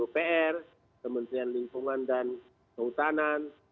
kementerian lingkungan dan kehutanan